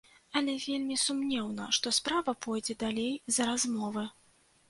Але вельмі сумнеўна, што справа пойдзе далей за размовы.